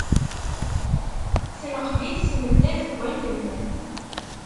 Tenqeb-it tmedda deg allen.